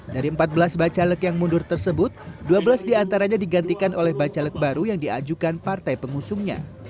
dari empat belas bacalek yang mundur tersebut dua belas diantaranya digantikan oleh bacalek baru yang diajukan partai pengusungnya